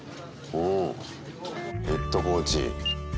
うんヘッドコーチ。